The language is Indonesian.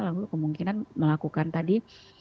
lalu kemungkinan melakukan tadi